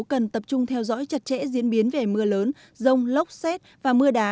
cần tập trung theo dõi chặt chẽ diễn biến về mưa lớn rông lốc xét và mưa đá